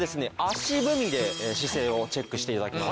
足踏みで姿勢をチェックして頂きます。